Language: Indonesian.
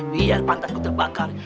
biar pantatku terbakar